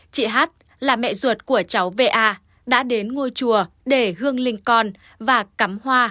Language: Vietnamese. chị hát là mẹ ruột của cháu va đã đến ngôi chùa để hương linh con và cắm hoa